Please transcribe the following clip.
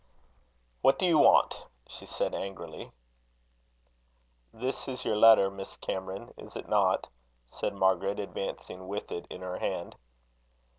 "What do you want?" she said angrily. "This is your letter, Miss Cameron, is it not?" said Margaret, advancing with it in her hand.